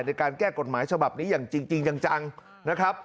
ในการแก้กฎหมายฉบับนี้อย่างจริงจังนะครับ